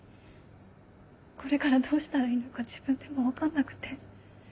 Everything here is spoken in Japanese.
これからどうしたらいいのか自分でも分かんなくて。